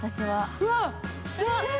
うわっ！